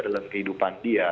dalam kehidupan dia